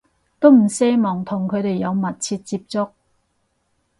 都唔奢望同佢哋有密切接觸